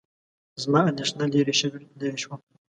زما اندېښنه لیرې شوه.